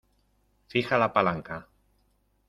fija la palanca.